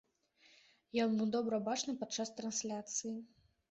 Ён быў добра бачны падчас трансляцыі.